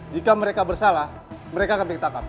jika mereka bersalah mereka kami ketahkan